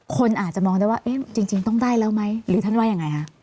คนอาจจะมองได้ว่าจริงต้องได้แล้วไหมหรือท่านว่ายังไงคะ